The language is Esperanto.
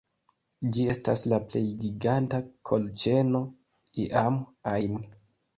Ĝi estas la plej giganta kolĉeno iam ajn